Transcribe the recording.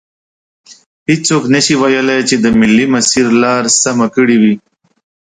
هیڅوک نشي ویلی چې د ملي مسیر لار سمه کړي وي.